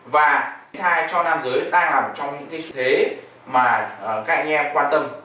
và tránh thai cho nam giới đang là một trong những cái xu thế mà các anh em quan tâm